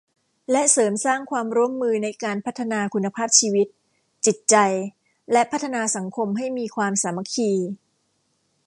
และเสริมสร้างความร่วมมือในการพัฒนาคุณภาพชีวิต จิตใจ และพัฒนาสังคมให้มีความสามัคคี